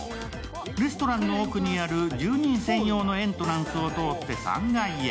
レストランの奥にある住人専用のエントランスを通って３階へ。